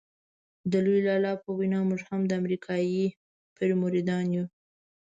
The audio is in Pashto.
د لوی لالا په وینا موږ هم د امریکایي پیر مریدان یو.